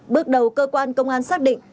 bước đầu cơ quan công an xác định